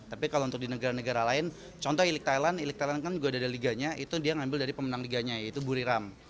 tapi kalau untuk di negara negara lain contoh ilik thailand ilik thailand kan juga ada liganya itu dia ngambil dari pemenang liganya yaitu buri ram